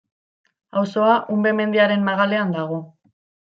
Auzoa Unbe mendiaren magalean dago.